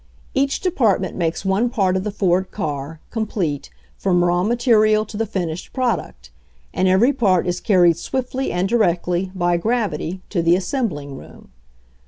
Each department makes one part of the Ford car, complete, from raw material to the fin ished product, and every part is carried swiftly and directly, by gravity, to the assembling room.